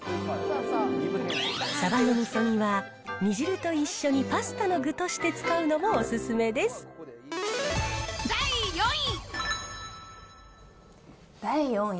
さばのみそ煮は煮汁と一緒にパスタの具として使うのがお勧め第４位。